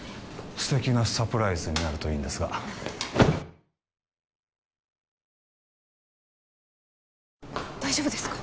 素敵なサプライズになるといいんですが大丈夫ですか？